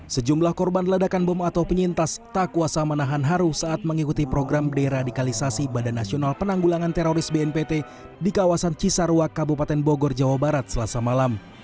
sejumlah korban ledakan bom atau penyintas tak kuasa menahan haru saat mengikuti program deradikalisasi badan nasional penanggulangan teroris bnpt di kawasan cisarua kabupaten bogor jawa barat selasa malam